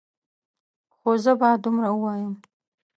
خو زه به دومره ووایم.